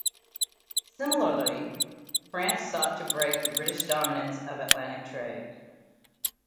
Similarly, France sought to break the British dominance of Atlantic trade.